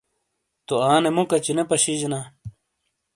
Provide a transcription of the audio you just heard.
تو انے مُوکچی نے پَشِیجینا۔